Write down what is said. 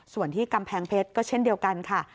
ส่วนที่กำแพงเพชรก็เช่นเดียวกันค่ะ